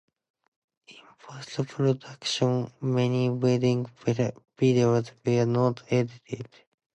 In post-production, many wedding videos were not edited.